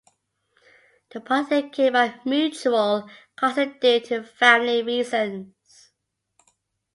The parting came by mutual consent due to family reasons.